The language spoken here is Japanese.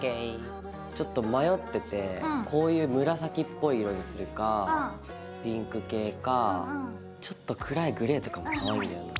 ちょっと迷っててこういう紫っぽい色にするかピンク系かちょっと暗いグレーとかもかわいいよね。